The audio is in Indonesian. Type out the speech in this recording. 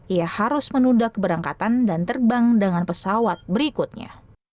ia harus menunda keberangkatan dan terbang dengan pesawat berikutnya